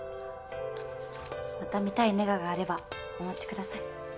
また見たいネガがあればお持ちください。